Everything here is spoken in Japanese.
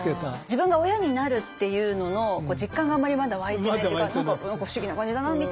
自分が親になるっていうのの実感があまりまだ湧いてないっていうか何か不思議な感じだなみたいな。